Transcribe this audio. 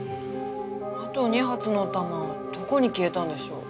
あと２発の弾はどこに消えたんでしょう？